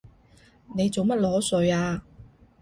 你做乜裸睡啊？